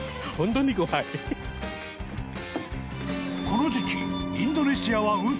［この時期インドネシアは］